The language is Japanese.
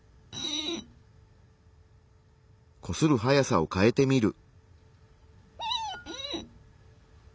こする速さを変えてみる。